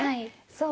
そう。